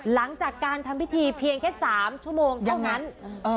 หลังจากการทำพิธีเพียงแค่สามชั่วโมงเหมือนกันอย่างนั้นเอ่อ